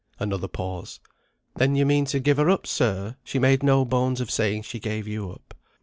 Another pause. "Then you mean to give her up, sir? She made no bones of saying she gave you up."